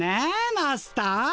マスター。